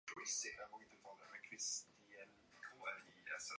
That same year, he joined the band that played at Alan Freed's stage shows.